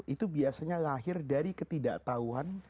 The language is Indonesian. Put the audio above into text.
itu biasanya lahir dari ketidaktahuan